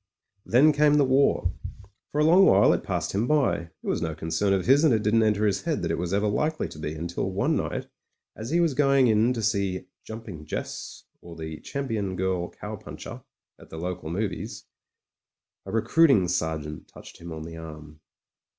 Then came the war. For a long while it passed PRIVATE MEYRICK— COMPANY IDIOT 6i him by; it was no concern of his, and it didn't enter his head that it was ever likely to be until one night, as he was going in to see "Jumping Jess, or the Champion Girl Cowpuncher" at the local movies, a recruiting sergeant touched him on the arm.